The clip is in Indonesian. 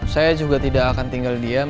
saya juga tidak akan tinggal diam